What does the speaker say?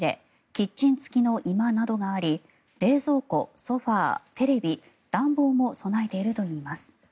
キッチン付きの居間などがあり冷蔵庫、ソファ、テレビ、暖房も備えているといいます。